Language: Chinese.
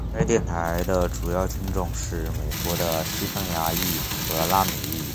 该电台的主要听众是纽约的西班牙裔和拉美裔。